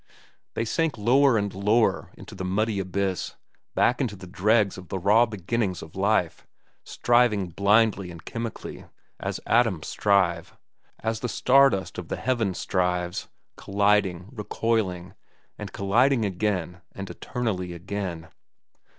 They sank lower and lower into the muddy abyss, back into the dregs of the raw beginnings of life, striving blindly and chemically, as atoms strive, as the star dust of the heavens strives, colliding, recoiling, and colliding again and eternally again.